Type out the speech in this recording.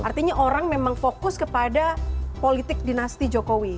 artinya orang memang fokus kepada politik dinasti jokowi